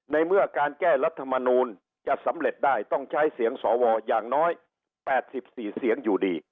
ในเมื่อการแก้รัฐมนูลจะสำเร็จได้ต้องใช้เสียงสวอย่างน้อย๘๔เสียงอยู่ดี